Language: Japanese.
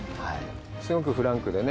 すごくフランクでね。